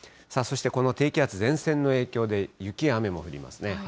そしてこの低気圧、前線の影響で、雪や雨も降りますね。